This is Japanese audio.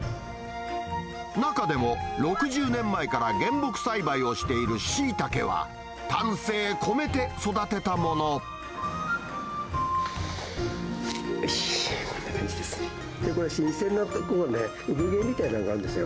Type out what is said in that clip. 中でも、６０年前から原木栽培をしているシイタケは、丹精込めて育てたもよし、こんな感じです。